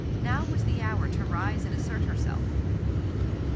Now was the hour to rise and assert herself!